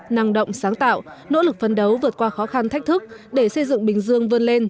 năng động sáng tạo nỗ lực phân đấu vượt qua khó khăn thách thức để xây dựng bình dương vươn lên